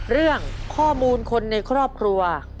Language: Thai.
เรื่องข้อมูลคนในครอบครัว